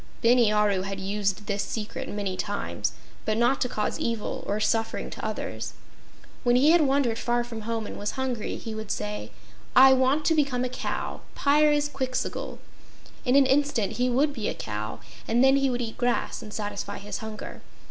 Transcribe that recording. Bini Aru had used this secret many times, but not to cause evil or suffering to others. When he had wandered far from home and was hungry, he would say: "I want to become a cow Pyrzqxgl!" In an instant he would be a cow, and then he would eat grass and satisfy his hunger.